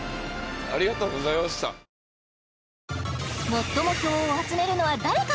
最も票を集めるのは誰か？